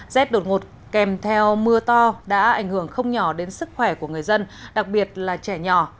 rét đột ngột kèm theo mưa to đã ảnh hưởng không nhỏ đến sức khỏe của người dân đặc biệt là trẻ nhỏ